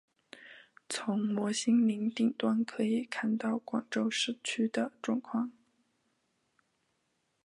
从摩星岭顶端可以看到广州市区的状况。